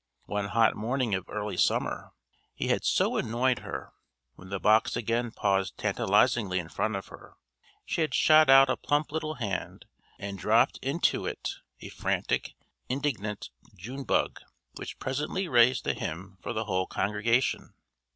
One hot morning of early summer he had so annoyed her when the box again paused tantalizingly in front of her, she had shot out a plump little hand and dropped into it a frantic indignant June bug which presently raised a hymn for the whole congregation.